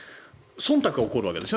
そんたくが起こるわけです。